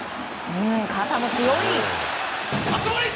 肩も強い！